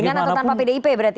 dengan atau tanpa pdip berarti